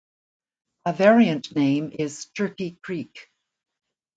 A variant name is "Turkey Creek".